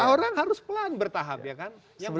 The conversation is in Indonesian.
orang harus pelan bertahap ya kan